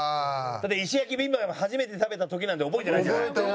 だって石焼ビビンバ初めて食べた時なんて覚えてないじゃない。